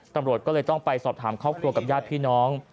ตำรวจก็เลยต้องไปสอบถามครอบครัวกับญาติพี่น้อง